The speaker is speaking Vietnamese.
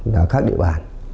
là khác địa bàn